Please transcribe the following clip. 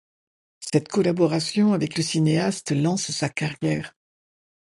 Cette collaboration avec le cinéaste lance sa carrière.